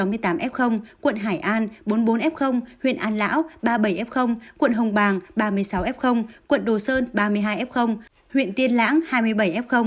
quận hải an bốn mươi bốn f huyện an lão ba mươi bảy f quận hồng bàng ba mươi sáu f quận đồ sơn ba mươi hai f huyện tiên lãng hai mươi bảy f